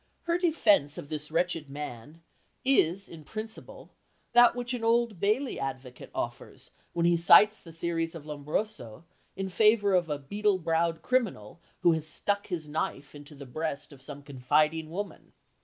Her defence of this wretched man is, in principle, that which an Old Bailey advocate offers when he cites the theories of Lombroso in favour of a beetle browed criminal who has stuck his knife into the breast of some confiding woman.